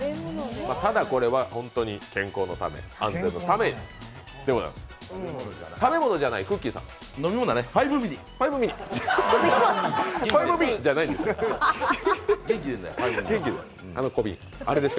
ただ、これは本当に健康のためでございます。